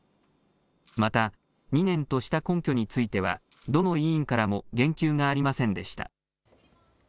また２年とした根拠についてはどの委員からも言及がありませんでした。